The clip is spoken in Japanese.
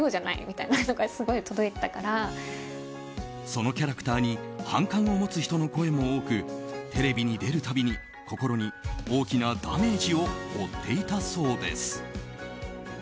そのキャラクターに反感を持つ人の声も多くテレビに出る度に心に大きなダメージを負っていたそうです。